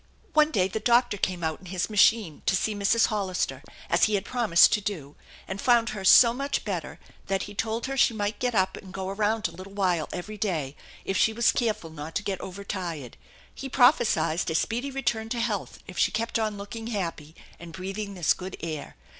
One day the doctor came out in his machine to see Mrs. Hollister as he had promised to do, and found her so much Ibetter that he told her she might get up and go .around a little while every day if she was very careful not to get over tired. He prophesied a speedy return to health if she kept on looking happy and breathing this good air.